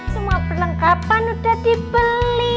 semua perlengkapan udah dibeli